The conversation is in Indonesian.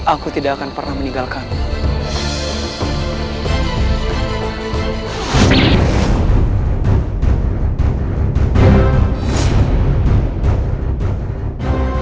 aku tidak akan pernah meninggalkanmu